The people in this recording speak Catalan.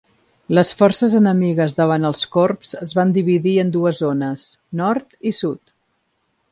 Les forces enemigues davant els Korps es van dividir en dues zones: nord i sud.